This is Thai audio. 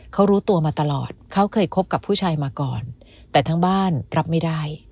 เขารู้ตัวมาตลอดเขาเคยคบกับผู้ชายมาก่อนแต่ทั้งบ้านรับไม่ได้